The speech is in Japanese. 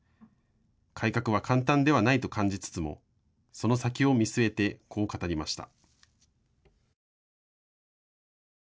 改革は簡単ではないと感じつつもその先を見据えてこう語りました。